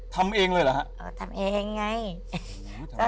ทำเองเลยหรือ